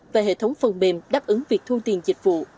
và hệ thống phần mềm đáp ứng việc thu tiền dịch vụ